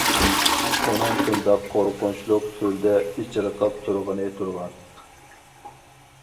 ئۇنىڭ شۇنداق قورقۇنچلۇق تۈردە ئېچىرقاپ تۇرغىنى تۇرغان.